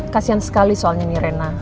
kasian sekali soalnya nih rena